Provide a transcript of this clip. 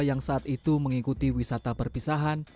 yang saat itu mengikuti wisata perpisahan